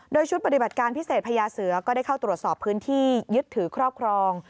โดยชุดปฏิบัติการพิเศษพญาเสือก็ได้เข้าตรวจสอบพื้นที่ยึดถือครอบครอง